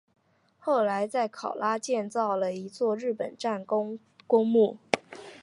后来在考拉建造了一座日本战争公墓。